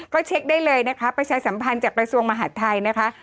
ก็เช็คได้เลยนะคะประชาสัมพันธ์จากกระทรวงมหาดไทยนะคะ